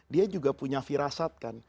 dia juga punya firasat kan